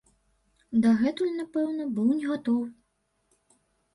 Дагэтуль, напэўна, быў негатовы.